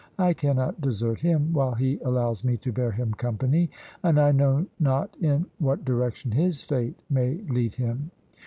I cannot desert him while he allows me to bear him company, and I know not in what direction his fate may lead him.